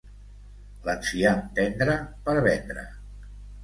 L'enciam tendre, per vendre.